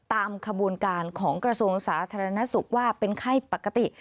ตามขบวนการของกระทรวงสาธารณสุขว่าเป็นไข้ปกติ